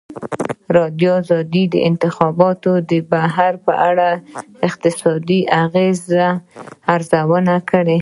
ازادي راډیو د د انتخاباتو بهیر په اړه د اقتصادي اغېزو ارزونه کړې.